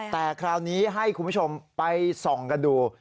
แต่คราวนี้ให้คุณผู้ชมไปส่องกันดู